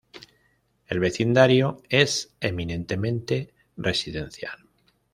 El vecindario es eminentemente residencial.